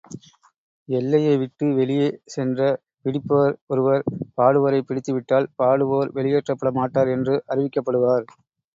எல்லையைவிட்டு வெளியே சென்ற பிடிப்பவர் ஒருவர் பாடுவோரைப் பிடித்துவிட்டால், பாடுவோர் வெளியேற்றப்பட மாட்டார் என்று அறிவிக்கப்படுவார்.